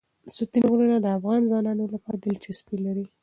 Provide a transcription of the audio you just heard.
ستوني غرونه د افغان ځوانانو لپاره دلچسپي لري.